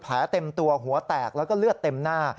เต็มตัวหัวแตกแล้วก็เลือดเต็มหน้า